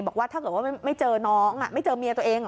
บอกว่าถ้าเกิดว่าไม่เจอน้องไม่เจอเมียตัวเอง